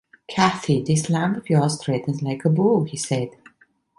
‘Cathy, this lamb of yours threatens like a bull!’ he said.